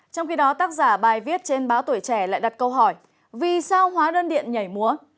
trong khi đó tác giả bài viết trên báo tuổi trẻ lại đặt câu hỏi vì sao hóa đơn điện nhảy múa